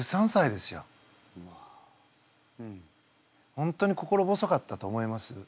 本当に心細かったと思います。